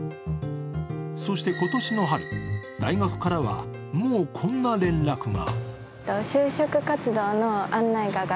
そして今年の春、大学からはもうこんな連絡が。